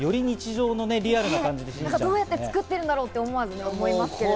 どうやって作ってるんだろうって思わず思いますけど。